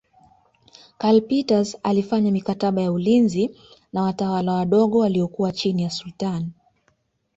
Karl Peters alifanya mikataba ya ulinzi na watawala wadogo waliokuwa chini ya Sultani